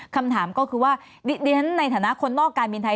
คำถามก็คือว่าดิฉันในฐานะคนนอกการบินไทย